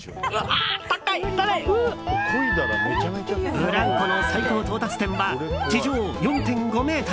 ブランコの最高到達点は地上４５ｍ。